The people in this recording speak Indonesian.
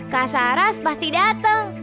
kak saras pasti dateng